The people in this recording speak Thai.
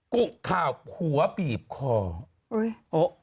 กุข่าวผัวบีบคอ